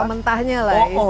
jual mentahnya lah istilahnya